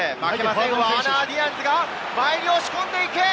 ワーナー・ディアンズが前に押し込んでいく。